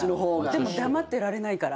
でも黙ってられないから。